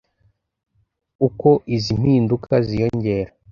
Uko izi mpimduka ziyongera